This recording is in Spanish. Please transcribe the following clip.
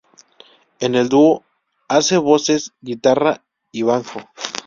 En el dúo hace voces, guitarra y banjo.